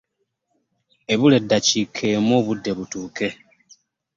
Ebula eddakiika emu obudde butuuke.